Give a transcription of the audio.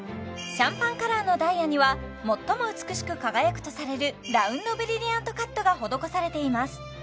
シャンパンカラーのダイヤには最も美しく輝くとされるラウンドブリリアントカットが施されています